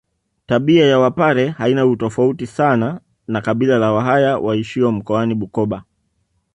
Tabia ya wapare haina utofauti sana na kabila la wahaya waishio mkoani Bukoba